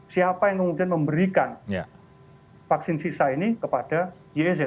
siapa yang kemudian memberikan vaksin sisa ini kepada yeez